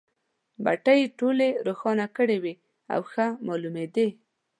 بټۍ یې ټولې روښانه کړې وې او ښه مالومېدې.